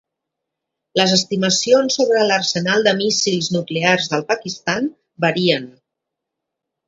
Les estimacions sobre l'arsenal de míssils nuclears del Pakistan varien.